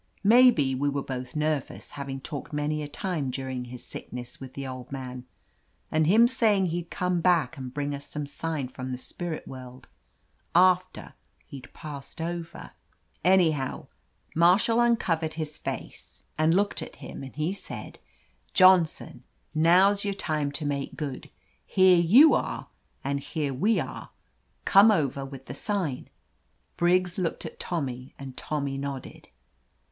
Maybe we were both nervous, having talked many a time dur ing his sickness with the old man, and him say ing he'd come back and bring us some sign from the spirit world, after he'd 'jpassed over.' Anyhow, Marshall imcovered his face and 92 / OF LETITIA CARBERRY looked at him, and he said, ^Johnson, now's your time to make good. Here you are and here we are. Come over with the sign !'" Briggs k)oked at Tommy and Tommy nod ded.